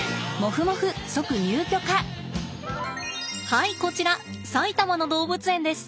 はいこちら埼玉の動物園です。